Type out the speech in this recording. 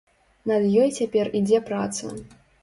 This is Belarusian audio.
Над ёй цяпер ідзе праца.